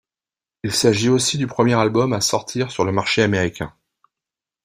Il s'agit aussi du premier album à sortir sur le marché américain.